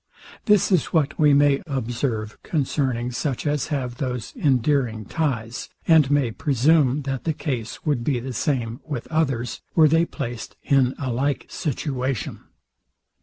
This is what we may observe concerning such as have those endearing ties; and may presume, that the case would be the same with others, were they placed in a like situation.